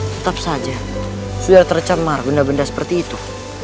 tetap saja sudah tercemar benda benda seperti itu